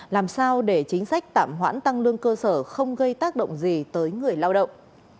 làm sao để chính sách tạm hoãn tăng lương cơ sở không gây tác động gì tới người lao động